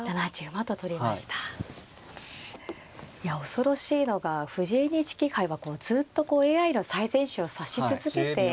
恐ろしいのが藤井ＮＨＫ杯はずっとＡＩの最善手を指し続けていますね。